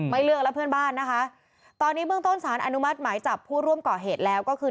เลือกแล้วเพื่อนบ้านนะคะตอนนี้เบื้องต้นสารอนุมัติหมายจับผู้ร่วมก่อเหตุแล้วก็คือ